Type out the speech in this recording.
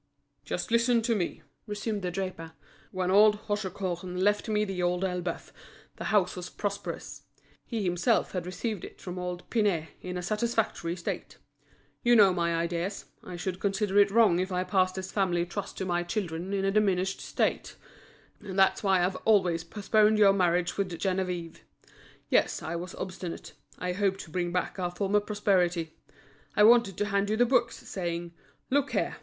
"Just listen to me," resumed the draper. "When old Hauchecorne left me The Old Elbeuf, the house was prosperous; he himself had received it from old Pinet in a satisfactory state. You know my ideas; I should consider it wrong if I passed this family trust to my children in a diminished state; and that's why I've always postponed your marriage with Geneviève. Yes, I was obstinate; I hoped to bring back our former prosperity; I wanted to hand you the books, saying: 'Look here!